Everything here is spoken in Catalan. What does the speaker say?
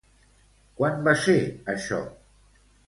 Quan va ser això?